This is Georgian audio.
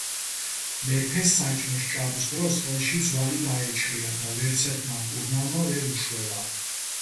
მეფეს საჭმლის ჭამის დროს ყელში ძვალი გაეჩხირა და ვერცერთმა მკურნალმა ვერ უშველა.